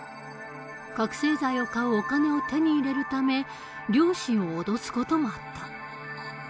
覚醒剤を買うお金を手に入れるため両親を脅す事もあった。